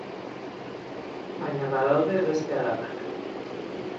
Baina ba daude beste adarrak.